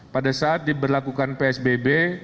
pada saat diberlakukan psbb